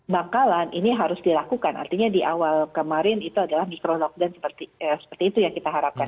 bangkalan ini harus dilakukan artinya di awal kemarin itu adalah mikro lockdown seperti itu yang kita harapkan